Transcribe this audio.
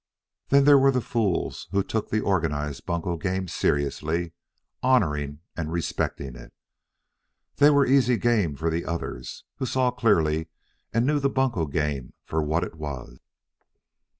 Then there were the fools who took the organized bunco game seriously, honoring and respecting it. They were easy game for the others, who saw clearly and knew the bunco game for what it was.